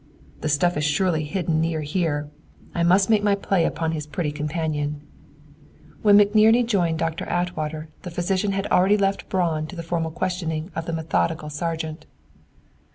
"The stuff is surely hidden near here! I must make my play upon his pretty companion." When McNerney rejoined Doctor Atwater, the physician had already left Braun to the formal questioning of the methodical sergeant.